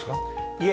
いえ。